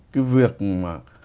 cái việc mà